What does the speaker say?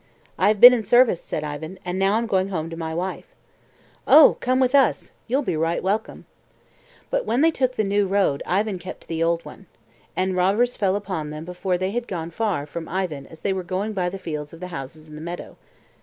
"I have been in service," said Ivan, "and now I'm going home to my wife." "Oh, come with us! you'll be right welcome." But when they took the new road Ivan kept to the old one. And robbers fell upon them before they had gone far from Ivan as they were going by the fields of the houses in the meadow.